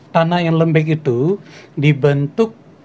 tanah yang lembek itu dibentuk